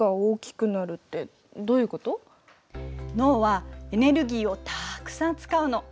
脳はエネルギーをたくさん使うの。